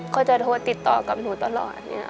เขาจะโทรติดต่อกับหนูตลอด